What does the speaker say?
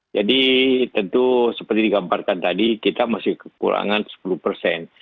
jadi tentu seperti digambarkan tadi kita masih kekurangan sepuluh persen